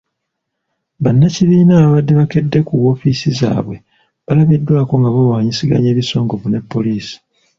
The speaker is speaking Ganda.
Bannakibiina ababadde bakedde ku woofiisi zaabwe balabiddwako nga bawanyisiganya ebisongovu ne poliisi.